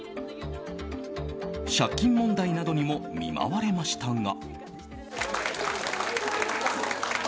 借金問題などにも見舞われましたが。